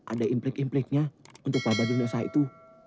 ada implik impliknya untuk pabat dunia saya itu